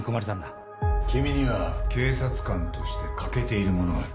「君には警察官として欠けているものがある」